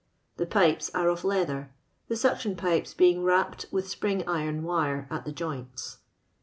Tho pipes are of leather, the snction pipei being wrapped with spring iron wire at the joints.